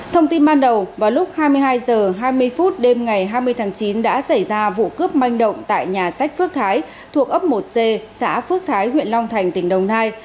thông tin ban đầu vào lúc hai mươi hai h hai mươi phút đêm ngày hai mươi tháng chín đã xảy ra vụ cướp manh động tại nhà sách phước thái thuộc ấp một c xã phước thái huyện long thành tỉnh đồng nai